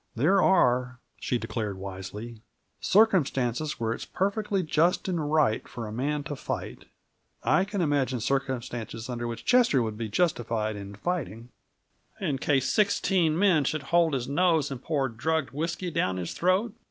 There are," she declared wisely, "circumstances where it's perfectly just and right for a man to fight. I can imagine circumstances under which Chester would be justified in fighting " "In case sixteen men should hold his nose and pour drugged whisky down his throat?"